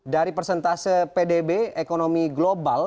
dari persentase pdb ekonomi global